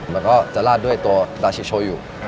แล้วก็จะราดด้วยตัวดาชิโชยุ